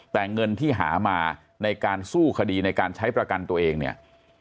แต่เงินที่หามาในการสู้คดีในการใช้ประกันตัวเองเนี่ย